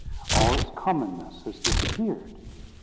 All its commonness has disappeared.